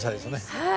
はい。